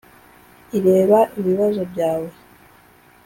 ireba ibibazo byawe